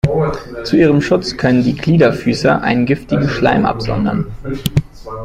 Zu ihrem Schutz können die Gliederfüßer einen giftigen Schleim absondern.